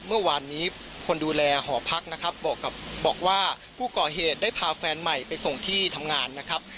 เมื่อวานนี้คนดูแลหอพักนะครับบอกว่าผู้ก่อเหตุได้พาแฟนใหม่ไปส่งที่ทำงานนะครับ